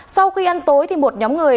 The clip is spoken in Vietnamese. sau khi ăn tối thì một nhóm người